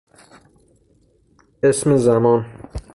اسم زمان